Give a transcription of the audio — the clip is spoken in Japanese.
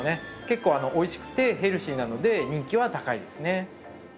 結構おいしくてヘルシーなので人気は高いですね